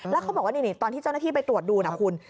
แล้วเขาบอกว่านี่ตอนที่เจ้าหน้าที่ไปตรวจดูนะคุณ